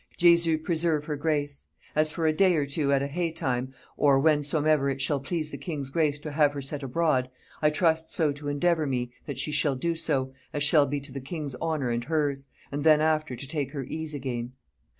Jesu preserve her grace! As for a day or two at a hey time, or whensomever it shall please the king's grace to have her set abroad, I trust so to endeavour me, that she shall so do, as shall be to the king's honour and hers; and then after to take her ease again.